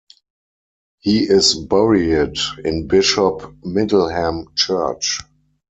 He is buried in Bishop Middleham church.